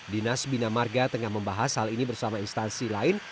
dinas bina marga tengah membahas hal ini bersama instansi lain